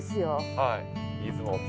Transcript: はい。